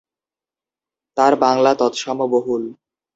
তার বাংলা তৎসম-বহুল।